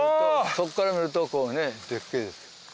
そこから見るとこうねでけえ。